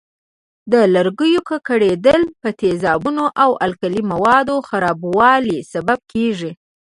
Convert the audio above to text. د لرګیو ککړېدل په تیزابونو او القلي موادو خرابوالي سبب کېږي.